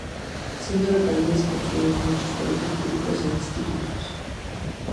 Siendo alcalde se construyeron muchos colegios públicos e institutos.